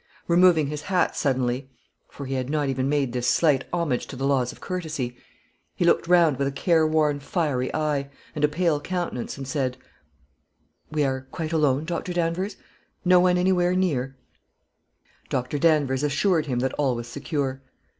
Removing his hat suddenly (for he had not even made this slight homage to the laws of courtesy), he looked round with a care worn, fiery eye, and a pale countenance, and said "We are quite alone, Dr. Danvers no one anywhere near?" Dr. Danvers assured him that all was secure.